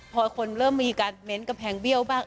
พอคนเริ่มมีการเม้นกำแพงเบี้ยวบ้าง